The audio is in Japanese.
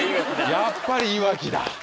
やっぱり井脇だ。